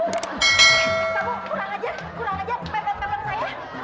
eh kamu kurang ajar kurang ajar pepleng pepleng saya